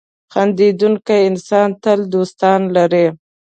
• خندېدونکی انسان تل دوستان لري.